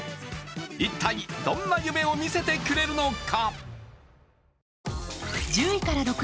一体どんな夢を見せてくれるのか？